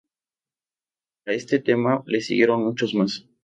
A este tema le siguieron muchos más.